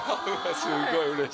すごいうれしい！